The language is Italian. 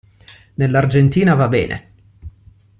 Nell'Argentina, va bene!